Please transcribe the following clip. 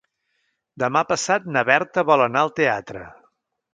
Demà passat na Berta vol anar al teatre.